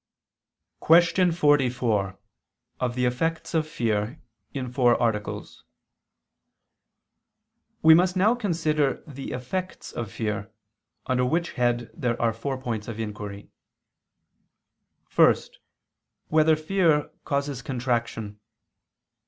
________________________ QUESTION 44 OF THE EFFECTS OF FEAR (In Four Articles) We must now consider the effects of fear: under which head there are four points of inquiry: (1) Whether fear causes contraction?